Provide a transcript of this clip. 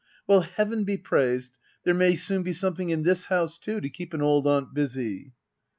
Well, heaven be praised^ there may soon be something in this house^ too^ to keep an old aunt busy.